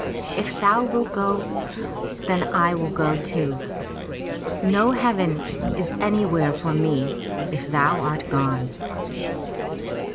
If thou wilt go, then I go too. No heaven is anywhere for me, if thou art gone."